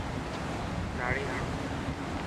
تاڙي هڻ.